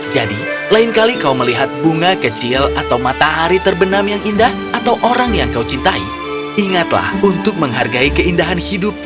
jadi lain kali kau melihat bunga kecil atau matahari terbenam yang indah atau orang yang kau cintai ingatlah untuk menghargai keindahan hidup itu